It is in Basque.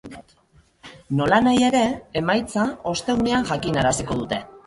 Nolanahi ere, emaitza ostegunean jakinaraziko dute.